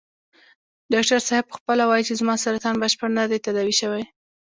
ډاکټر صاحب په خپله وايي چې زما سرطان بشپړ نه دی تداوي شوی.